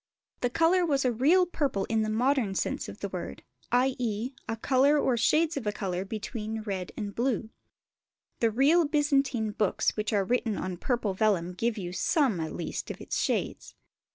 The colour was a real purple in the modern sense of the word, i.e. a colour or shades of a colour between red and blue. The real Byzantine books which are written on purple vellum give you some, at least, of its shades.